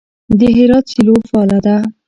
د هرات سیلو فعاله ده.